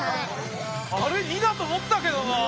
あれ２だと思ったけどなあ。